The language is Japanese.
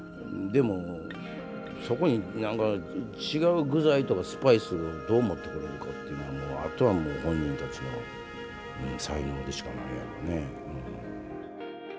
でもそこに何か違う具材とかスパイスをどう持ってこれるかっていうのはあとはもう本人たちの才能でしかないやろうね。